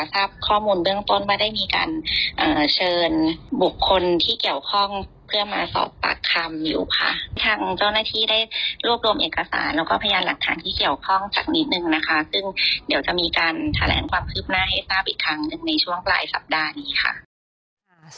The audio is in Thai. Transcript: ซึ่งเดี๋ยวจะมีการแถลงความคลึกหน้าให้สร้างอีกครั้งในช่วงปลายสัปดาห์นี้ค่ะ